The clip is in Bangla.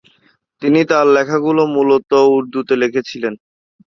তিনি তার লেখাগুলো মূলত উর্দুতে লিখেছিলেন।